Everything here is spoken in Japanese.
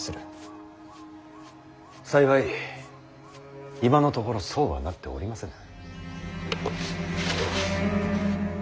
幸い今のところそうはなっておりませぬ。